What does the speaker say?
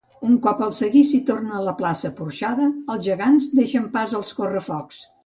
Un cop el seguici torna a la plaça porxada, els gegants deixen pas als Correfocs.